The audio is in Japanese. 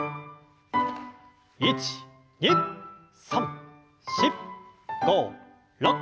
１２３４５６。